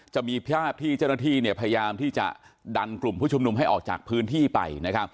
จะมีภาพที่เจ้าหน้าที่พยายามที่จะดันกลุ่มผู้ชุมนุมให้ออกจากพื้นที่ไป